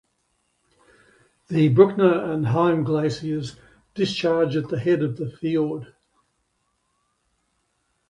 The Bruckner and Heim glaciers discharge at the head of the fjord.